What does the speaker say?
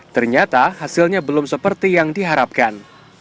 ternyata hasilnya belum seperti yang diharapkan